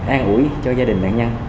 an ủi cho gia đình nạn nhân